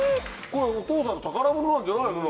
これお父さんの宝物なんじゃないの？